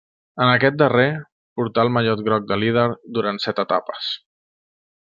En aquest darrer portà el mallot groc de líder durant set etapes.